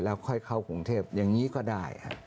แล้วค่อยเข้ากรุงเทพอย่างนี้ก็ได้